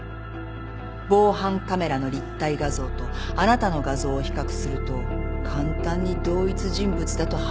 防犯カメラの立体画像とあなたの画像を比較すると簡単に同一人物だと判定できた。